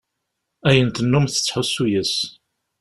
Ayen tennum tettḥusu yes-s.